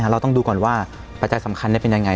เราต้องดูก่อนว่าปัจจัยสำคัญเป็นยังไง